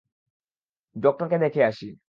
ডক্টরকে দেখে আসি।